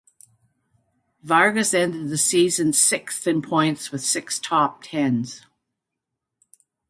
Vargas ended the season sixth in points with six top tens.